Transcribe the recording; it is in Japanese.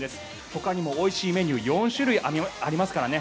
ほかにもおいしいメニュー４種類ありますからね。